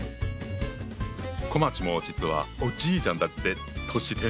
こまっちも実はおじいちゃんだって都市伝説があるよ。